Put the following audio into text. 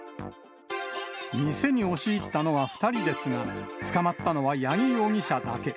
店に押し入ったのは２人ですが、捕まったのは八木容疑者だけ。